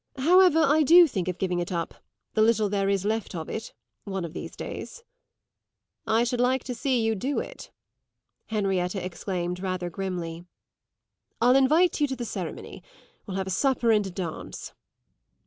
However, I do think of giving it up, the little there is left of it, one of these days." "I should like to see you do it!" Henrietta exclaimed rather grimly. "I'll invite you to the ceremony; we'll have a supper and a dance."